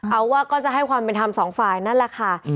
เอาว่าก็จะให้ความเป็นธรรมสองฝ่ายนั่นแหละค่ะ